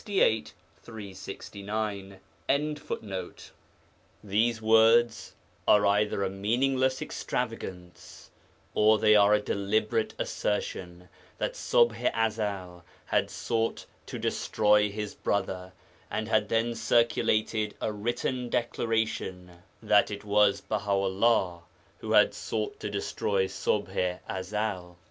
] These words are either a meaningless extravagance, or they are a deliberate assertion that Ṣubḥ i Ezel had sought to destroy his brother, and had then circulated a written declaration that it was Baha 'ullah who had sought to destroy Ṣubḥ i Ezel.